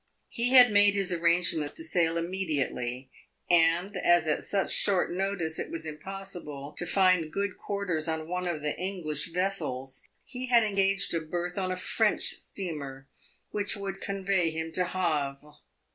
He had made his arrangements to sail immediately, and, as at such short notice it was impossible to find good quarters on one of the English vessels, he had engaged a berth on a French steamer, which would convey him to Havre.